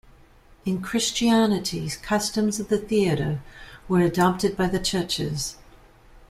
In Christianity, customs of the theatre were adopted by the churches.